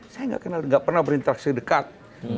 saya nggak pernah berinteraksi dekat